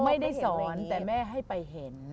ไม่ได้สอนแต่แม่ให้ไปเห็น